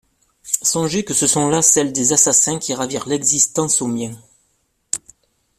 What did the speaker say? Songez que ce sont là celles des assassins qui ravirent l'existence aux miens.